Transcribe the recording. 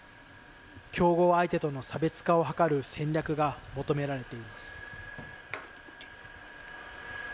競合相手との差別化を図る戦略が求められています。